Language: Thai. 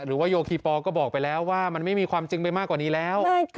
โยคีปอลก็บอกไปแล้วว่ามันไม่มีความจริงไปมากกว่านี้แล้ว